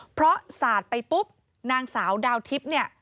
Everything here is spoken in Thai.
เพราะสาดไปปุ๊บนางสาวดาวทิพย์เนี่ย